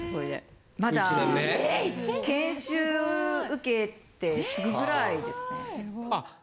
まだ研修受けてすぐぐらいですね。